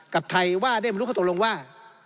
กับไทยว่าได้บริลุเขาตรงลงว่า